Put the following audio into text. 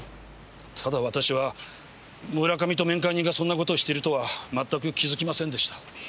ただ私は村上と面会人がそんなことをしてるとはまったく気づきませんでした。